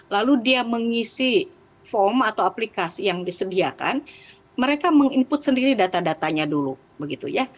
lalu dia mengisi form atau aplikasi yang disediakan mereka meng input sendiri data datanya dulu begitu ya